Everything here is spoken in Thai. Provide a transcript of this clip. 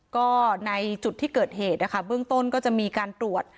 ก็ในจุดที่เกิดเหตุนะคะเบื้องต้นก็จะมีการตรวจ